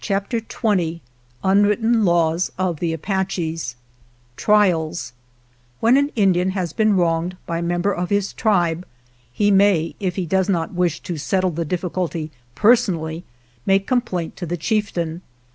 182 PART IV THE OLD AND THE NEW CHAPTER XX UNWRITTEN LAWS OF THE APACHES Trials WHEN an Indian has been wronged by a member of his tribe he may, if he does not wish to settle the difficulty personally, make complaint to the Chieftain.